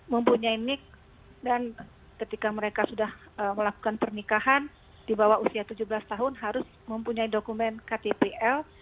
mempunyai nik dan ketika mereka sudah melakukan pernikahan di bawah usia tujuh belas tahun harus mempunyai dokumen ktpl